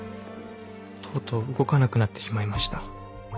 とうとう動かなくなってしまいました。